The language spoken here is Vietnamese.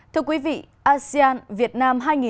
thưa quý vị asean việt nam hai nghìn hai mươi có chủ đề